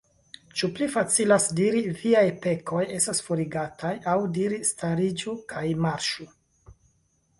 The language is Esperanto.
Ĉu pli facilas diri: Viaj pekoj estas forigataj; aŭ diri: Stariĝu kaj marŝu?